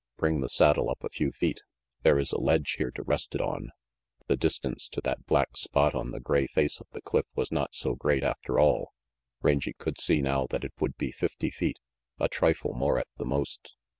"Bring the saddle up a few feet. There is a ledge here to rest it on." The distance to that black spot on the gray face of the cliff was not so great after all. Rangy could see now that it would be fifty feet, a trifle more at the most.